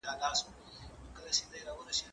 زه پرون موټر کاروم !؟